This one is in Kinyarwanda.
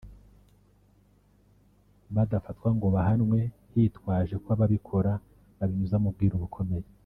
badafatwa ngo bahanwe hitwajwe ko ababikora babinyuza mu bwiru bukomeye